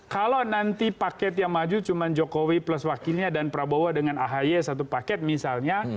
kalau nanti paket yang maju cuma jokowi plus wakilnya dan prabowo dengan ahy satu paket misalnya